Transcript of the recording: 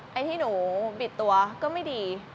ไอ้ที่หนูบิดตัวก็ไม่ดี